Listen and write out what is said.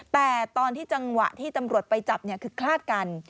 แต่ตอนที่จังหวะที่ตำรวจไปจับคือคลาดกัน